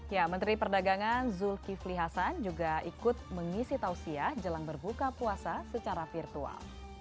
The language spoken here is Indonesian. ya menteri perdagangan zulkifli hasan juga ikut mengisi tausiah jelang berbuka puasa secara virtual